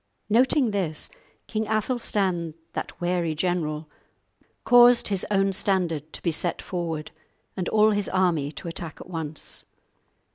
Noting this, King Athelstan, that wary general, caused his own standard to be set forward and all his army to attack at once.